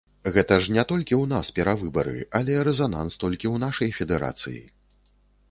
Гэта ж не толькі ў нас перавыбары, але рэзананс толькі ў нашай федэрацыі.